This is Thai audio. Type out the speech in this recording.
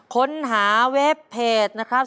ค้นหาเว็บเพจนะครับ